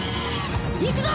行くぞ！